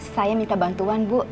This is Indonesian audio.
saya minta bantuan bu